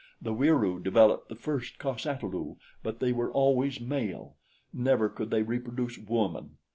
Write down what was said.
The Wieroo developed the first cos ata lu but they were always male never could they reproduce woman.